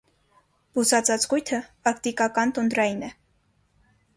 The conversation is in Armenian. Բուսածածկույթը արկտիկական տունդրային է։